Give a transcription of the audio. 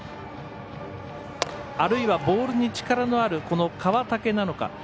あるいはボールに力のある川竹なのか。